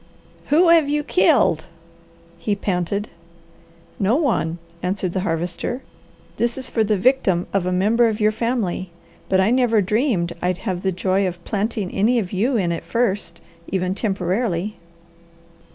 "Who have you killed?" he panted. "No one," answered the Harvester. "This is for the victim of a member of your family, but I never dreamed I'd have the joy of planting any of you in it first, even temporarily.